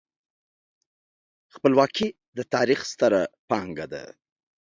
خپلواکي د تاریخ ستره پانګه ده.